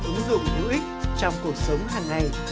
ứng dụng hữu ích trong cuộc sống hàng ngày